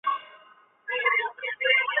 曼波雷是巴西巴拉那州的一个市镇。